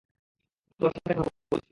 তোর সাথে কথা বলছি।